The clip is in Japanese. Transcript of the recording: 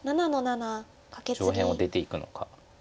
上辺を出ていくのか。